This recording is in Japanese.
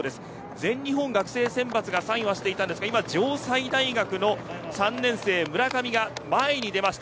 全日本学生選抜が３位でしたが城西大学の３年生村上が前に出ました。